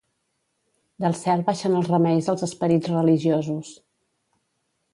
Del cel baixen els remeis als esperits religiosos.